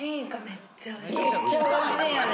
めっちゃおいしいよね。